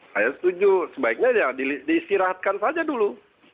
saya setuju sebaiknya ya diistirahatkan saja dulu